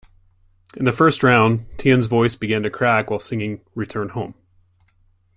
In the first round, Tien's voice began to crack while singing "Return Home".